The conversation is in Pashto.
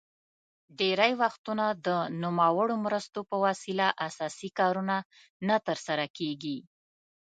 ډیری وختونه د نوموړو مرستو په وسیله اساسي کارونه نه تر سره کیږي.